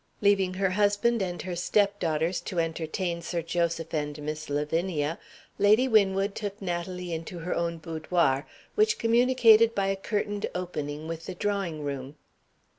Leaving her husband and her stepdaughters to entertain Sir Joseph and Miss Lavinia, Lady Winwood took Natalie into her own boudoir, which communicated by a curtained opening with the drawing room.